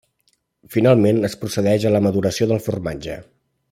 Finalment es procedeix a la maduració del formatge.